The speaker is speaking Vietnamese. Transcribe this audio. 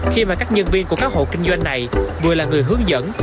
khi mà các nhân viên của các hộ kinh doanh này vừa là người hướng dẫn